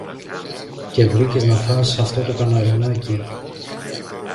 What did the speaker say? Και βρήκες να φας αυτό το καναρινάκι!